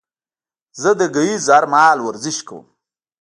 زه د ګهيځ هر مهال ورزش کوم